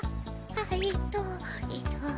えっとえっと。